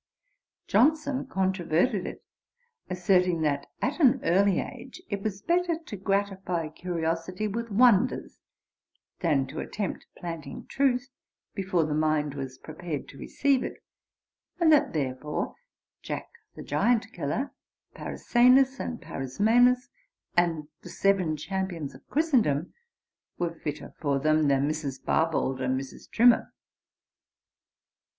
Johnson controverted it, asserting that at an early age it was better to gratify curiosity with wonders than to attempt planting truth, before the mind was prepared to receive it, and that therefore, Jack the Giant Killer, Parisenus and Parismenus, and The Seven Champions of Christendom were fitter for them than Mrs. Barbauld and Mrs. Trimmer.'